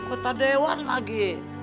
kota dewan lagi